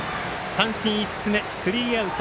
三振５つ目、スリーアウト。